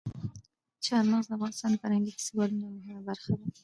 چار مغز د افغانستان د فرهنګي فستیوالونو یوه مهمه برخه ده.